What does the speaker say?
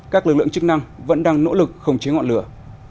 các lực lượng chức năng vẫn đang nỗ lực khống chế ngọn lửa